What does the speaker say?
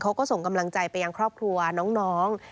ส่งกำลังใจไปยังครอบครัวน้อง